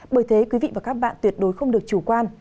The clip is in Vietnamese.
bởi thế quý vị và các bạn tuyệt đối không được chủ quan